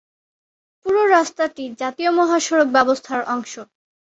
পুরো রাস্তাটি জাতীয় মহাসড়ক ব্যবস্থার অংশ।